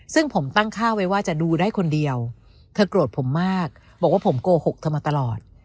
ซึ่งผมตั้งค่าไว้ว่าจะดูได้คนเดียวเธอโกรธผมมากบอกว่าผมโกหกเธอมาตลอด